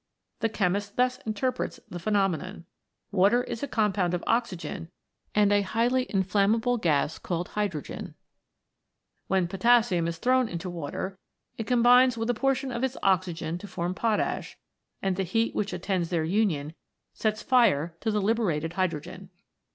The chemist thus interprets the pheno menon : Water is a compound of oxygen and a highly inflammable gas called hydrogen ; when potassium is thrown into Water it combines with a portion of its oxygen to form potash, and the heat which attends their union sets fire to the libe rated hydrogen.